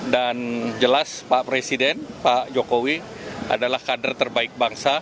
dan jelas pak presiden pak jokowi adalah kader terbaik bangsa